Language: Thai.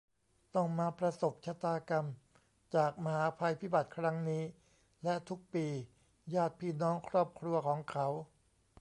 ต้องมาประสบชะตากรรม จากมหาภัยพิบัติครั้งนี้ และ ทุกปีญาติ พี่ น้อง ครอบครัว ของเขา